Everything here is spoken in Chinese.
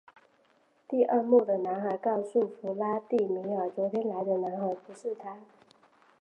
第二幕的男孩告诉弗拉第米尔昨天来的男孩不是他。